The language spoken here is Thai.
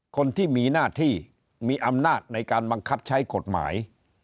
คนที่มีหน้าที่มีอำนาจในการบังคับใช้กฎหมาย